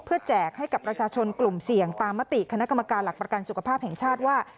แจกให้กับประชาชนกลุ่มเสี่ยงตามมติคณะกรรมการหลักประกันสุขภาพแห่งชาติว่า